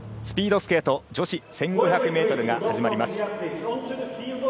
スピードスケート女子１５００ｍが始まります。